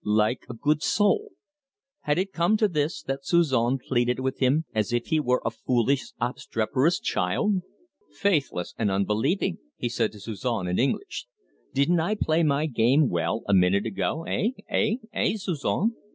"Like a good soul!" Had it come to this, that Suzon pleaded with him as if he were a foolish, obstreperous child! "Faithless and unbelieving!" he said to Suzon in English. "Didn't I play my game well a minute ago eh eh eh, Suzon?"